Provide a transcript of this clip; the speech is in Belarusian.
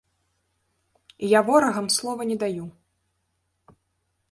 Я ворагам слова не даю.